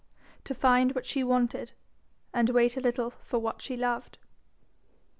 To find what she wanted, and wait a little for what she loved.